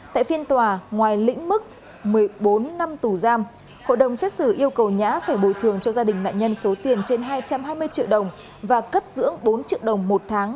tại phiên tòa ngoài lĩnh mức một mươi bốn năm tù giam hội đồng xét xử yêu cầu nhã phải bồi thường cho gia đình nạn nhân số tiền trên hai trăm hai mươi triệu đồng và cấp dưỡng bốn triệu đồng một tháng